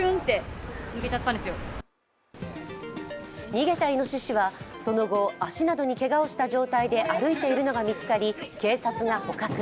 逃げたいのししはその後、足などにけがをした状態で歩いているのが見つかり、警察が捕獲。